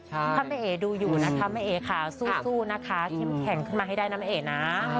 ถ้าแม่เอดูอยู่ถ้าแม่เอสู้นะคะแข็งขึ้นมาให้ได้นะแม่เอนะ